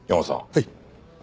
はい。